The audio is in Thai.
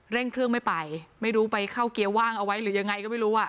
เร่งเครื่องไม่ไปไม่รู้ไปเข้าเกียร์ว่างเอาไว้หรือยังไงก็ไม่รู้อ่ะ